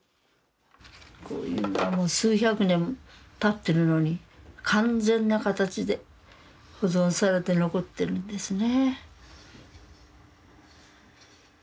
こういうのはもう数百年たってるのに完全な形で保存されて残ってるんですね。